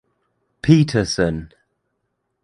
Peterson.